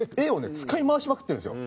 使い回しまくってるんですよ。